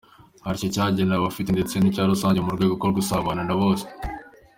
Harimo icyo yageneye abifite ndetse n’icya rusange mu rwego rwo gusabana na bose.